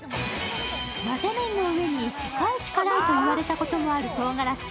混ぜ麺の上に世界一辛いと言われたこともあるとうがらし